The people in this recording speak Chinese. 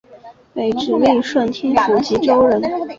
北直隶顺天府蓟州人。